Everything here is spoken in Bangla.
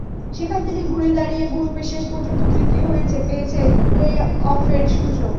সেখান থেকে ঘুরে দাঁড়িয়ে গ্রুপে শেষ পর্যন্ত তৃতীয় হয়েছে, পেয়েছে প্লে-অফের সুযোগ।